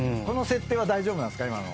この設定は大丈夫なんですか？